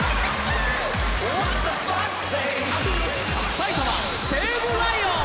埼玉西武ライオンズ！